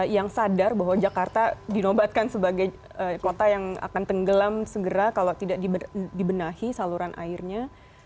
yang sadar bahwa jakarta dinobatkan sebagai kota yang akan tenggelam segera kalau tidak dibenahi saluran airnya